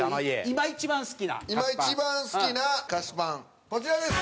今一番好きな菓子パンこちらです！